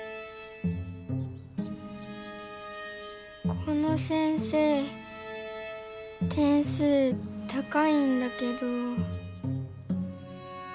この先生点数高いんだけど。